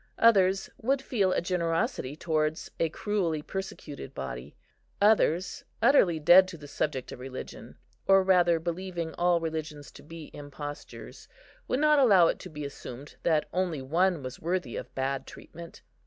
Others would feel a generosity towards a cruelly persecuted body; others, utterly dead to the subject of religion, or rather believing all religions to be impostures, would not allow it to be assumed that only one was worthy of bad treatment.